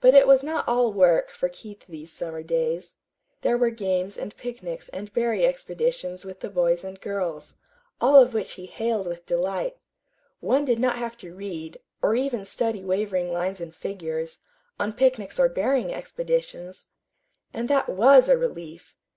But it was not all work for Keith these summer days. There were games and picnics and berry expeditions with the boys and girls, all of which he hailed with delight one did not have to read, or even study wavering lines and figures, on picnics or berrying expeditions! And that WAS a relief.